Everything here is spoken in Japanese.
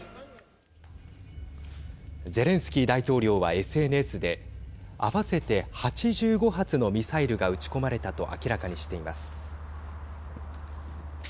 ゼレンスキー大統領はＳＮＳで合わせて８５発のミサイルが撃ち込まれたと明らかにしています。